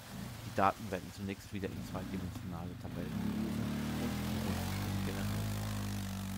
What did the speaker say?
Die Daten werden zunächst wieder in zweidimensionale Tabellen gelesen und die Rundenschlüssel generiert.